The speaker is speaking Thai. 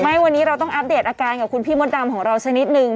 ไม่วันนี้เราต้องอัปเดตอาการกับคุณพี่มดดำของเราสักนิดนึง